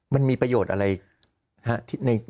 มันมีประโยชน์อะไรในการการสอบเพิ่มนั้นนะครับ